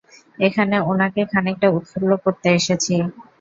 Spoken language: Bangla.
এখানে উনাকে খানিকটা উৎফুল্ল করতে এসেছি!